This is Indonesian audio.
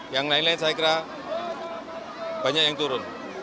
yang lain lain saya kira banyak yang turun